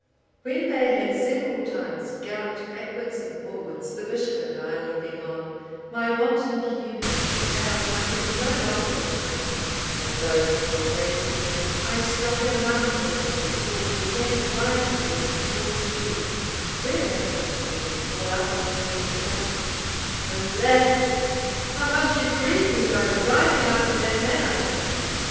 "When they had several times galloped backwards and forwards, the bishop and I looking on, my wanton humour prevailed, and I could no longer refrain, but though he forbade me, I struck in among them at their sport, and began to ride with them at full speed; whereat I heard him call after me with a groan, 'Alas! how much you grieve me by riding after that manner.